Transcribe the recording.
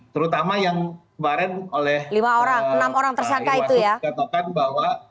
terutama yang kemarin oleh iwasuk katakan bahwa